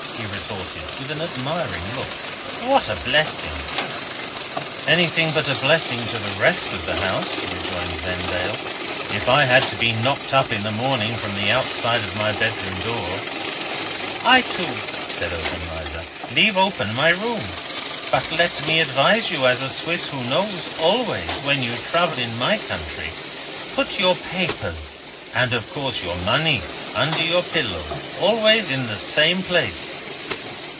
he retorted, with an admiring look. "What a blessing!" "Anything but a blessing to the rest of the house," rejoined Vendale, "if I had to be knocked up in the morning from the outside of my bedroom door." "I, too," said Obenreizer, "leave open my room. But let me advise you, as a Swiss who knows: always, when you travel in my country, put your papers and, of course, your money under your pillow. Always the same place."